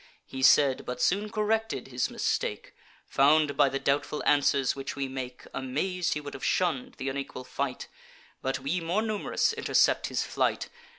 He said, but soon corrected his mistake, Found, by the doubtful answers which we make: Amaz'd, he would have shunn'd th' unequal fight; But we, more num'rous, intercept his flight.